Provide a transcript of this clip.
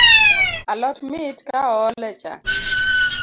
Alot mit ka ool e chak